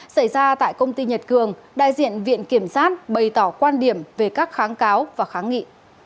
xảy ra tại công ty nhật cường đại diện viện kiểm sát bày tỏ quan điểm về các kháng cáo và kháng nghị